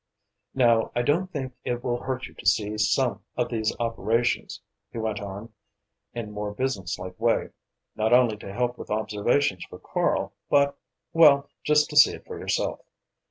"Now I don't think it will hurt you to see some of these operations," he went on, in more business like way. "Not only to help with observations for Karl, but well, just to see it for yourself.